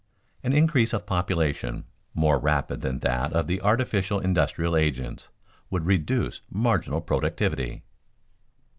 _An increase of population more rapid than that of the artificial industrial agents would reduce marginal productivity.